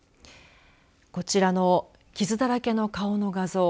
こちらの傷だらけの顔の画像。